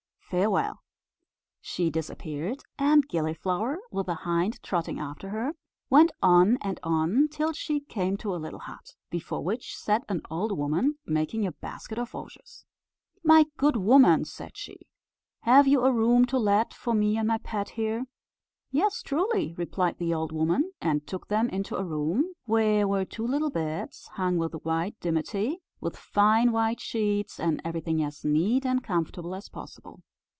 Farewell." She disappeared, and Gilliflower, with the hind trotting after her, went on and on, till she came to a little hut, before which sat an old woman, making a basket of osiers. "My good woman," said she, "have you a room to let, for me and my pet here?" "Yes, truly," replied the old woman; and took them into a room where were two little beds, hung with white dimity, with fine white sheets, and everything as neat and comfortable as possible.